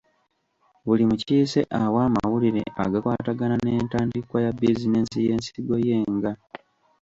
Buli mukiise awa amawulire agakwatagana n’entandikwa ya bizinensi y’ensigo ye nga.